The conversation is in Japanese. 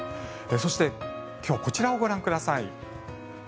そして今日こちらをご覧ください。